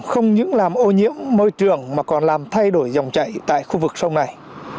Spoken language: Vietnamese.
không những làm ô nhiễm môi trường mà còn làm thay đổi dòng chạy tại khu vực sông này